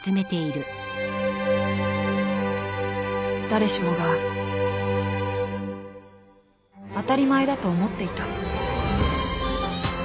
［誰しもが当たり前だと思っていた］